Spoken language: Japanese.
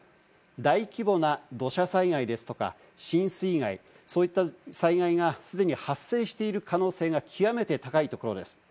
大規模な土砂災害ですとか浸水害、そういった災害が既に発生している可能性が極めて高いところです。